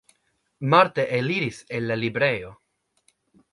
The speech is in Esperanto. Marta eliris el la librejo.